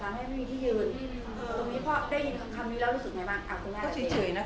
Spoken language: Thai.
จะทำให้ไม่มีที่ยืนตรงนี้พ่อได้ยินคำคำนี้แล้วรู้สึกไหมบ้าง